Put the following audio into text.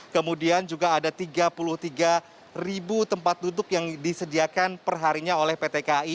kemudian juga ada tiga puluh tiga ribu tempat duduk yang disediakan perharinya oleh pt kai